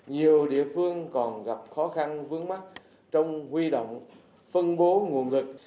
nhiều địa phương còn gặp khó khăn vướng mắt trong huy động phân bố nguồn lực